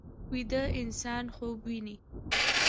ویده انسان خوب ویني